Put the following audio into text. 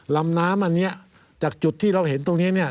ลำน้ำอันนี้จากจุดที่เราเห็นตรงนี้เนี่ย